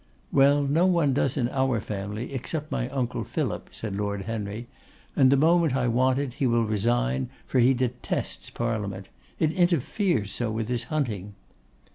'Well, no one does in our family except my uncle Philip,' said Lord Henry; 'and the moment I want it, he will resign; for he detests Parliament. It interferes so with his hunting.